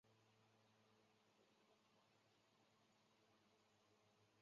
兰乔德索尔是位于美国加利福尼亚州埃尔多拉多县的一个非建制地区。